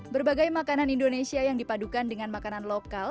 berbagai makanan indonesia yang dipadukan dengan makanan lokal